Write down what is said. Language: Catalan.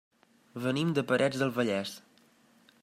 Venim de Parets del Vallès.